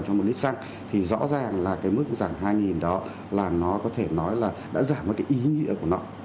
trong một lít xăng thì rõ ràng là cái mức giảm hai đó là nó có thể nói là đã giảm được cái ý nghĩa của nó